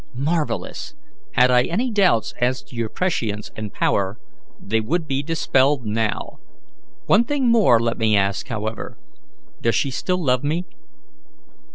'" "Marvellous! Had I any doubts as to your prescience and power, they would be dispelled now. One thing more let me ask, however: Does she still love me?"